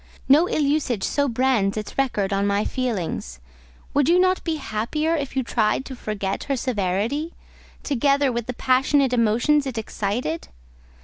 No ill usage so brands its record on my feelings. Would you not be happier if you tried to forget her severity, together with the passionate emotions it excited?